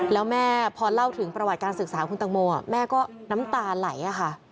แล้วแม่พอเล่าถึงประวัติการศึกษาคุณตังโมแม่ก็น้ำตาไหลค่ะ